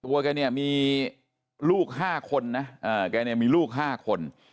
บอกตัวก่อนมีลูกห้าคนนะแกมีลูกห้าคน